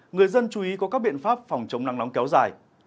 người dân chú ý có các biện pháp phòng chống nắng nóng kéo dài